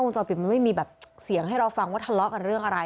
จอดปิดมันไม่มีแบบเสียงให้เราฟังว่าทะเลาะกันเรื่องอะไร